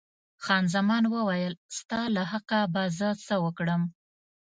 خان زمان وویل، ستا له حقه به زه څه وکړم.